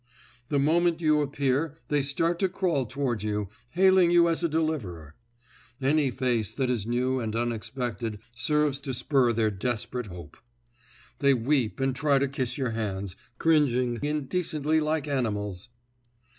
The moment you appear they start to crawl towards you, hailing you as a deliverer. Any face that is new and unexpected serves to spur their desperate hope. They weep and try to kiss your hands, cringing indecently like animals.